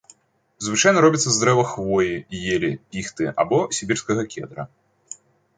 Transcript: Звычайна робіцца з дрэва хвоі, елі, піхты або сібірскага кедра.